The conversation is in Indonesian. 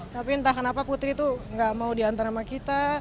tapi entah kenapa putri tuh gak mau diantar sama kita